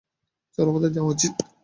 চলো, আমাদের যাওয়া উচিত।